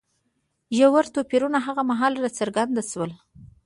ژور توپیرونه هغه مهال راڅرګند شول